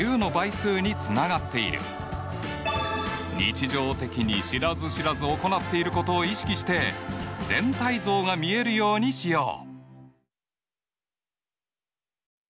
日常的に知らず知らず行っていることを意識して全体像が見えるようにしよう。